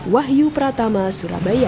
wahyu pratama surabaya